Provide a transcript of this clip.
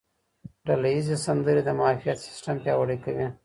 ډله ییزې سندرې د معافیت سیستم پیاوړی کوي.